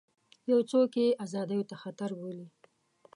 یو څوک یې ازادیو ته خطر بولي.